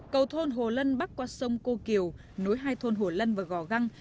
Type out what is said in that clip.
cầu thôn hồ lân bắc qua sông cô kiều nối hai thôn hồ lân và gò găng